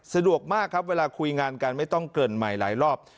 สะดวกมากครับเวลาคุยงานกันไม่ต้องเกริ่นใหม่หลายรอบ